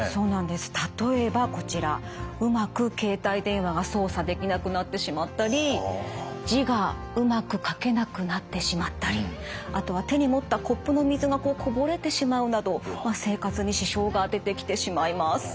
例えばこちらうまく携帯電話が操作できなくなってしまったり字がうまく書けなくなってしまったりあとは手に持ったコップの水がこぼれてしまうなど生活に支障が出てきてしまいます。